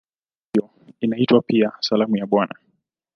Kwa sababu hiyo inaitwa pia "Sala ya Bwana".